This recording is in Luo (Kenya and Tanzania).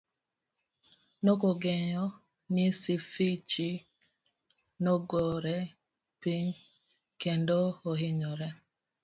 Nokongeyo ni Sifichi nogore piny kendo ohinyore.